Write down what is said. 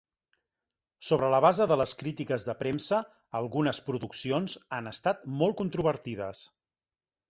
Sobre la base de les crítiques de premsa, algunes produccions han estat molt controvertides.